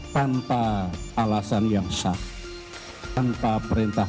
tanpa alasan yang sah